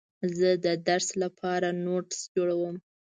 زه د درس لپاره نوټس جوړوم.